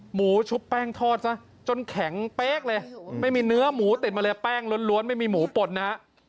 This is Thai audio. หมูชุบแป้งทอดซะจนแข็งเป๊กเลยไม่มีเนื้อหมูติดมาเลยแป้งล้วนไม่มีหมูป่นนะฮะ